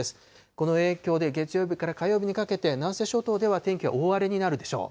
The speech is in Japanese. この影響で月曜日から火曜日にかけて、南西諸島では天気は大荒れになるでしょう。